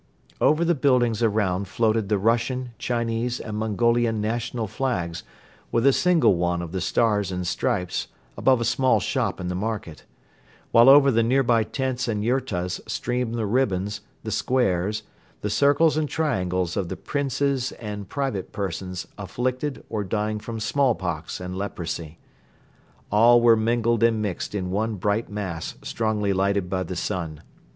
Over the buildings around floated the Russian, Chinese and Mongolian national flags with a single one of the Stars and Stripes above a small shop in the market; while over the nearby tents and yurtas streamed the ribbons, the squares, the circles and triangles of the princes and private persons afflicted or dying from smallpox and leprosy. All were mingled and mixed in one bright mass strongly lighted by the sun.